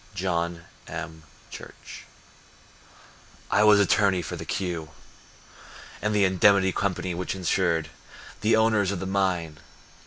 John M. Church I was attorney for the "Q" And the Indemnity Company which insured The owners of the mine.